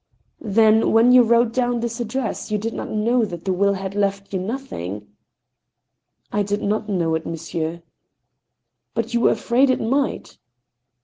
" Then, when you wrote down this address, you did not know that the will had left you nothing ?"" I did not know it, monsieur." " Biit you were afraid it might